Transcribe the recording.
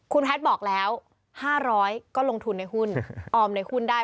คุณแพทย์บอกแล้ว๕๐๐ก็ลงทุนในหุ้นออมในหุ้นได้